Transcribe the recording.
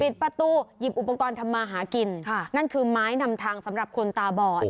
ประตูหยิบอุปกรณ์ทำมาหากินค่ะนั่นคือไม้นำทางสำหรับคนตาบอด